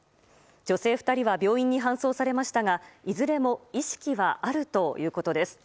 女性２人は病院に搬送されましたが、いずれも意識はあるということです。